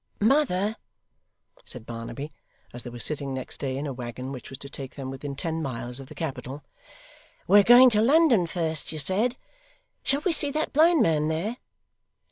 'Mother,' said Barnaby, as they were sitting next day in a waggon which was to take them within ten miles of the capital, 'we're going to London first, you said. Shall we see that blind man there?